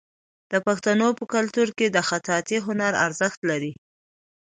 د پښتنو په کلتور کې د خطاطۍ هنر ارزښت لري.